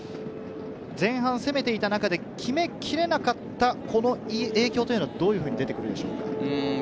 前半攻めていた中で決めきれなかった影響というのは出てくるでしょうか？